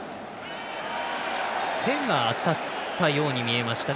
手が当たったように見えました。